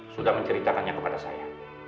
sudah menceritakannya kepada saya